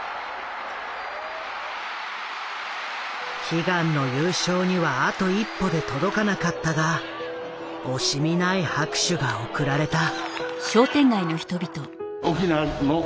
悲願の優勝にはあと一歩で届かなかったが惜しみない拍手が送られた。